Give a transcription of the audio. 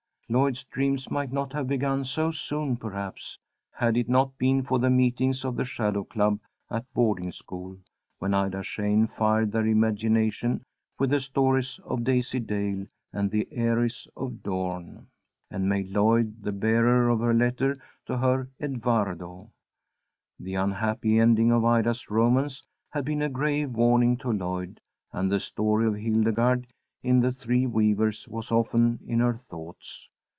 Lloyd's dreams might not have begun so soon, perhaps, had it not been for the meetings of the Shadow Club at boarding school, when Ida Shane fired their imaginations with the stories of "Daisy Dale" and "The Heiress of Dorn," and made Lloyd the bearer of her letters to her "Edwardo." The unhappy ending of Ida's romance had been a grave warning to Lloyd, and the story of Hildegarde in the Three Weavers was often in her thoughts.